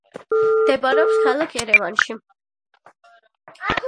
მდებარეობს ქალაქ ერევანში.